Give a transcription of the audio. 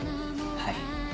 はい。